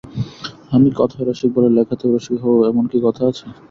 আমি কথায় রসিক বলে লেখাতেও রসিক হব এমন কি কথা আছে?